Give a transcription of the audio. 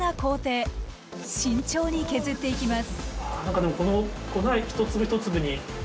慎重に削っていきます。